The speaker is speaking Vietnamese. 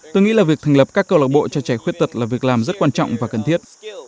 tôi nghĩ là việc thành lập các câu lạc bộ cho trẻ khuyết tật là việc làm rất quan trọng và cần thiết